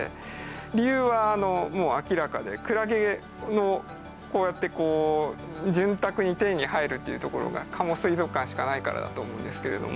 理由はもう明らかでクラゲのこうやってこう潤沢に手に入るっていうところが加茂水族館しかないからだと思うんですけれども。